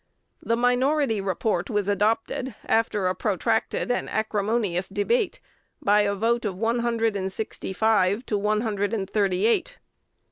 The minority report was adopted after a protracted and acrimonious debate, by a vote of one hundred and sixty five to one hundred and thirty eight.